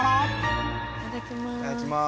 いただきます。